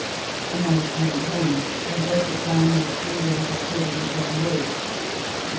When I returned home I wrote it down, as nearly as I could, in his own words ; and here they are.